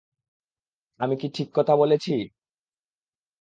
আমি কি ঠিক কথা বলছি?